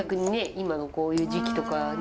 今のこういう時期とかに。